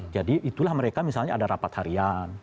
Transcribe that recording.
jadi itulah mereka misalnya ada rapat harian